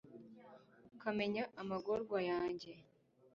ukamenya amagorwa yanjye